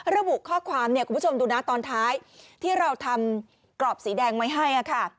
ระบุข้อความเนี่ยคุณผู้ชมดูนะตอนท้ายที่เราทำกรอบสีแดงไว้ให้ค่ะ